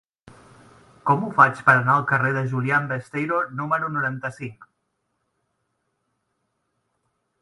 Com ho faig per anar al carrer de Julián Besteiro número noranta-cinc?